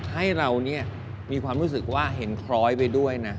ให้เราเนี่ยมีความรู้สึกว่าเห็นคล้อยไปด้วยนะ